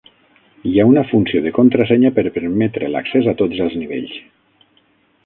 Hi ha una funció de contrasenya per permetre l'accés a tots els nivells.